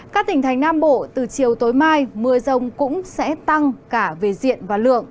các tỉnh thành nam bộ từ chiều tối mai mưa rông cũng sẽ tăng cả về diện và lượng